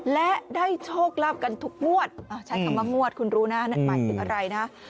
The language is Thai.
และได้โชคลาภกันทุกงวดใช้คำว่างวดคุณรู้นะหมายถึงอะไรนะ